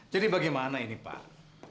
jadi bagaimana ini pak